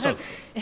え？